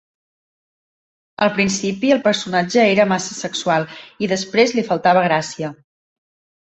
Al principi, el personatge era massa sexual, i després li faltava gràcia.